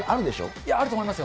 いや、あると思いますよ。